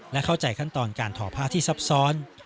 และเข้าใจขั้นตอนการถ่อผ้าที่ซับซ้อน